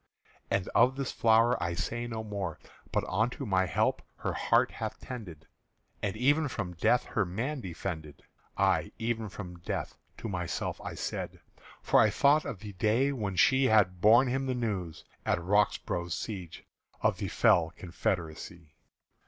And of this flower I say no more But unto my help her heart hath tended And even from death her man defended._" "Ay, even from death," to myself I said; For I thought of the day when she Had borne him the news, at Roxbro' siege, Of the fell confederacy.